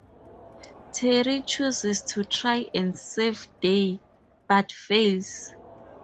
Terry chooses to try and save Day but fails.